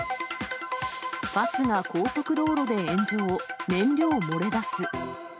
バスが高速道路で炎上、燃料漏れ出す。